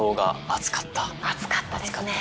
熱かったですね。